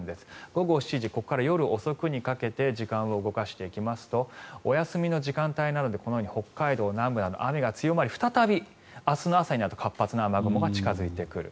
午後７時、ここから夜遅くにかけて時間を動かしていきますとお休みの時間帯なのでこのように北海道南部など雨が強まり再び明日の朝になると活発な雨雲が近付いてくる。